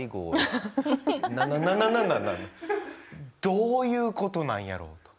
どういうことなんやろと。